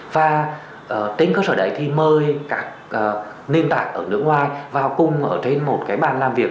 và trên cơ sở đấy thì mời các nền tảng ở nước ngoài vào cùng ở trên một cái bàn làm việc